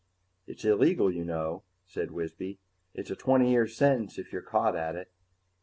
"It's illegal, you know," said Wisby. "It's a twenty year sentence if you're caught at it."